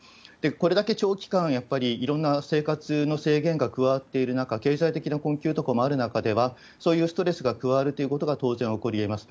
これだけ長期間、やっぱりいろんな生活の制限が加わっている中、経済的な困窮とかある中では、そういうストレスが加わるということが当然起こりえます。